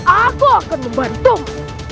aku akan membantumu